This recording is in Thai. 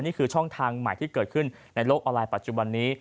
นี่คือช่องทางใหม่ที่เกิดขึ้นในโลกออนไลน์ปัจจุบันนี้